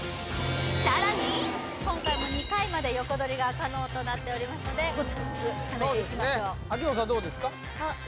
さらに今回も２回まで横取りが可能となっておりますのでコツコツためていきましょう